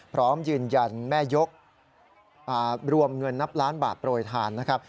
พร้อมยืนยันแม่ยกรวมเงินนับล้านบาทโปรยทานนะครับ